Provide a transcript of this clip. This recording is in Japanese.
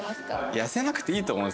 痩せなくていいと思う。